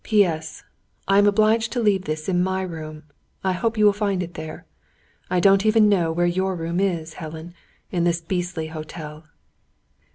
"P.S. I am obliged to leave this in my room. I hope you will find it there. I don't even know where your room is, Helen, in this beastly hotel."